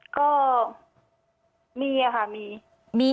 ก็มีค่ะมี